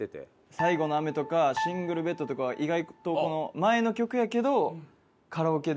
『最後の雨』とか『シングルベッド』とかは意外とこの前の曲やけどカラオケで。